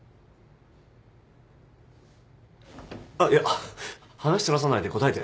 あっいや話そらさないで答えて。